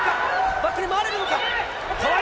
バックに回れるのか、川井。